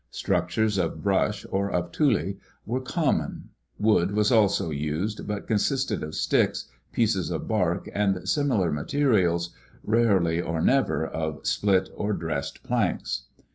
Structures of brush or of tule were common. Wood was also used, but consisted of sticks, pieces of bark, and similar materials, rarely or never of split or dressed planks.